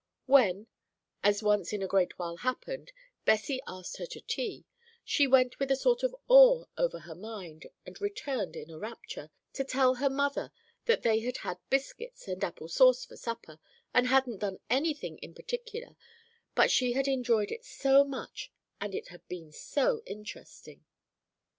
When, as once in a great while happened, Bessie asked her to tea, she went with a sort of awe over her mind, and returned in a rapture, to tell her mother that they had had biscuits and apple sauce for supper, and hadn't done any thing in particular; but she had enjoyed it so much, and it had been so interesting!